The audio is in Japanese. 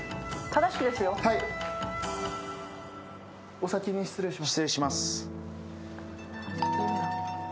お先に失礼します。